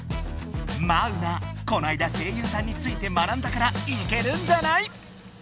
マウナこないだ声優さんについて学んだからイケるんじゃない？